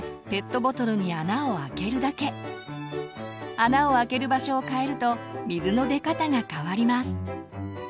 穴を開ける場所を変えると水の出方が変わります。